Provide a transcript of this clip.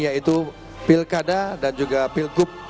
yaitu pilkada dan juga pilgub